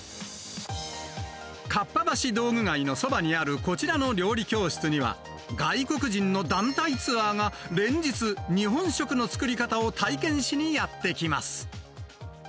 かっぱ橋道具街のそばにあるこちらの料理教室には、外国人の団体ツアーが、連日、日本食の作り方を体験しにやって来ます。